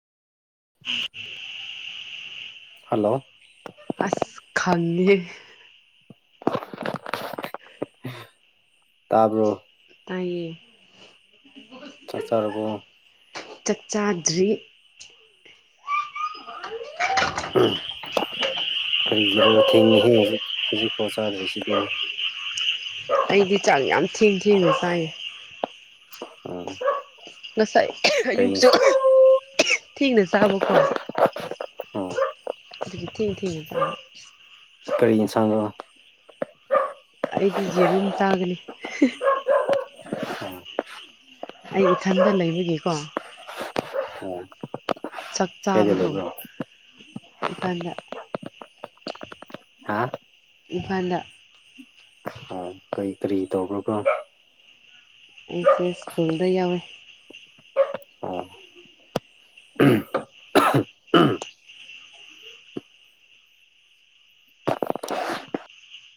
[unintelligible] Hello ꯑꯁ ꯈꯪꯉꯦꯍꯦ [inaudible] ꯇꯥꯕ꯭ꯔꯣ ꯇꯥꯏꯌꯦ ꯆꯥ ꯆꯔꯕꯣ ꯆꯥꯛ ꯆꯥꯗ꯭ꯔꯤ ꯎꯝ ꯀꯔꯤꯒꯤ ꯌꯥꯍꯧ ꯊꯦꯡꯉꯦꯍꯦ ꯍꯧꯖꯤꯛ ꯍꯧꯖꯤꯛꯄꯥꯎ ꯆꯥꯗ꯭ꯔꯤꯁꯤꯗꯤ ꯑꯩꯗꯤ ꯆꯥꯛ ꯌꯥꯝ ꯊꯦꯡ-ꯊꯦꯡꯅ ꯆꯥꯏꯌꯦ ꯎꯝ ꯉꯁꯥꯏ ꯀꯔꯤ ꯑꯌꯨꯛꯁꯨ ꯊꯦꯡꯅ ꯆꯥꯕꯀꯣ ꯎꯝ ꯑꯗꯨꯒꯤ ꯊꯦꯡ-ꯊꯦꯡꯅ ꯆꯥꯕ ꯀꯔꯤ ꯏꯟꯁꯥꯡꯅꯣ ꯑꯩꯗꯤ ꯌꯦꯔꯨꯝ ꯆꯥꯒꯅꯤ ꯍ ꯍ ꯎꯝ ꯑꯩ ꯏꯊꯟꯗ ꯂꯩꯕꯒꯤꯀꯣ ꯎꯝ ꯆꯥꯛ ꯀꯥꯏꯗ ꯆꯥꯕꯗꯣ ꯂꯩꯕ꯭ꯔꯣ ꯏꯀꯥꯟꯗ ꯍꯥ ꯏꯝꯐꯥꯟꯗ ꯀꯩ ꯀꯔꯤ ꯇꯧꯒꯕꯔꯥ ꯑꯩꯁꯦ ꯁꯀꯨꯜꯗ ꯌꯥꯎꯋꯦ꯫ ꯎꯝ